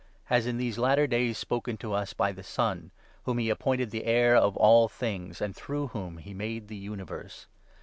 has in these latter days spoken to us by the Son, whom he appointed the heir of all things, and through whom he made the universe.